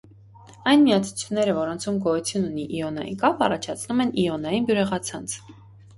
Այն միացությունները, որոնցում գոյություն ունի իոնային կապ, առաջացնում են իոնային բյուրեղացանց։